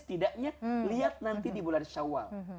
setidaknya lihat nanti di bulan syawal